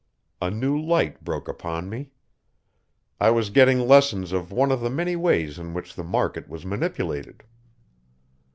A new light broke upon me. I was getting lessons of one of the many ways in which the market was manipulated.